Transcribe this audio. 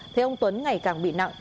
thế ông tuấn ngày càng bị nặng